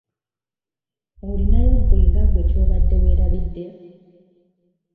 Olinayo gwe nga gwe ky'obadde weerabidde?